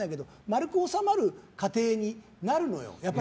丸く収まる家庭になるのよ。